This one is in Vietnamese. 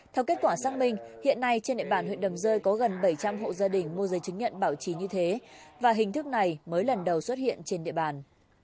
theo kết quả xác minh hiện nay trên địa bàn huyện đầm rơi có gần bảy trăm linh hộ gia đình mua giấy chứng nhận bảo trì như thế và hình thức này mới lần đầu xuất hiện trên địa bàn